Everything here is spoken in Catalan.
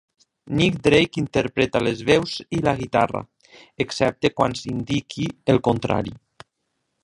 Nick Drake interpreta les veus i la guitarra, excepte quan s'indiqui el contrari.